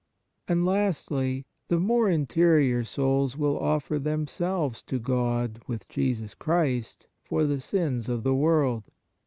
And, lastly, the more interior souls will offer themselves to God with Jesus Christ for the sins of the world.